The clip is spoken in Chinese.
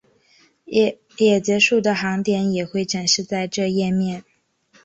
也结束的航点也会展示在这页面。